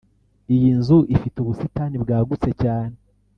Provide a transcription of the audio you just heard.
Iyi nzu ifite ubusitani bwagutse cyane